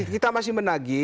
kita masih menagi